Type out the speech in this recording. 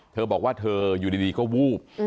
เธอบอกว่าเธออยู่ดีก็วูบ